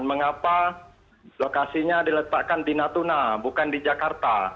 mengapa lokasinya diletakkan di natuna bukan di jakarta